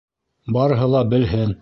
Барыһы ла белһен!